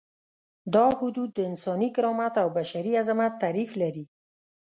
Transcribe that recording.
دا حدود د انساني کرامت او بشري عظمت تعریف لري.